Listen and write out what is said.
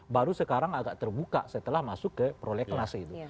baru sekarang agak terbuka setelah masuk ke prolegnas itu